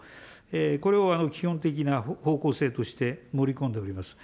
これを基本的な方向性として盛り込んでおります。